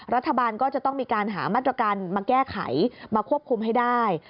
รัฐบาลก็จะต้องมีการหามาตรการมาแก้ไขมาควบคุมให้ได้